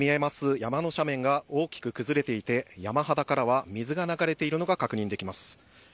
山の斜面が大きく崩れていて、山肌からは水が流れているのが確認できます。